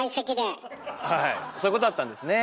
そういうことだったんですね。